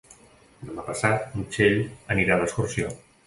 Demà passat na Txell anirà d'excursió.